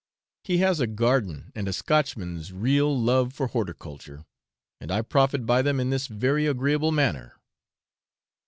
He has a garden and a Scotchman's real love for horticulture, and I profit by them in this very agreeable manner.